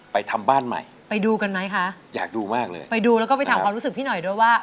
ทำบ้านใหม่ไปดูกันไหมคะอยากดูมากเลยไปดูแล้วก็ไปถามความรู้สึกพี่หน่อยด้วยว่า